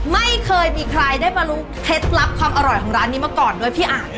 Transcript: ไม่เคยมีใครได้บรรลุเทศรัพย์ความอร่อยของร้านนี้มาก่อนด้วยพี่อ่าน